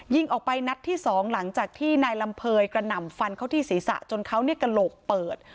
ยิงออกไปนัดที่๒หลังจากที่นายลำเภยกระหน่ำฟันเข้าที่ศีรษะจนเขาเนี่ยกระโหลกเปิด